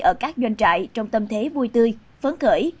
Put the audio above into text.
ở các doanh trại trong tâm thế vui tươi phấn khởi